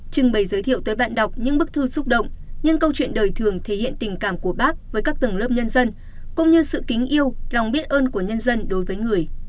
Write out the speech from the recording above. trưng bày giới thiệu tới bạn đọc những bức thư xúc động nhưng câu chuyện đời thường thể hiện tình cảm của bác với các tầng lớp nhân dân cũng như sự kính yêu lòng biết ơn của nhân dân đối với người